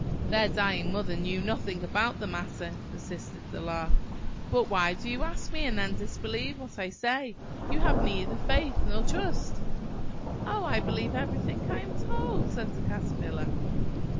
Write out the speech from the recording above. "Their dying mother knew nothing about the matter," persisted the Lark; "but why do you ask me, and then disbelieve what I say? You have neither faith nor trust." "Oh, I believe everything I am told," said the Caterpillar.